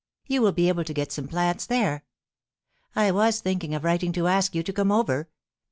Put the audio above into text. You will be able to get some plants there. I was thinking of writing to ask you to come over.